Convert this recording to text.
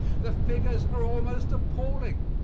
The figures are almost appalling.